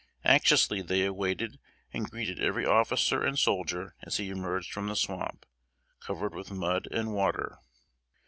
Anxiously they awaited and greeted every officer and soldier as he emerged from the swamp, covered with mud and water.